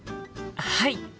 はい！